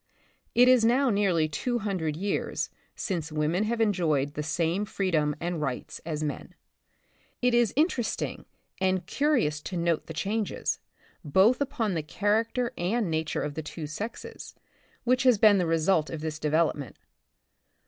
It is now nearly two hundred years since women have enjoyed the same freedom and rights as men. It is interesting and curious to note the changes, both upon the character and nature of the two sexes, which has been the result of this development.